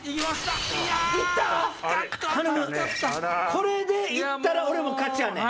これで行ったら俺も勝ちやねん。